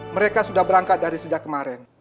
mereka sudah berangkat dari sejak kemarin